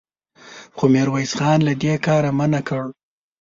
خو ميرويس خان له دې کاره منع کړ.